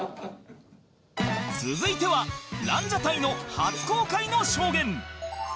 続いてはランジャタイの初公開の証言